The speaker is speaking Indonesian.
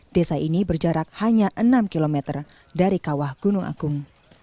desa ini berjarak hanya enam km dari kawah gunung agung